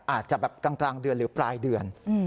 อาจจะแบบกลางเดือนหรือปลายเดือน